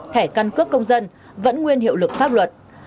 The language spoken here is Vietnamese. thẻ căn cước công dân vẫn nguyên hiệu lực pháp luật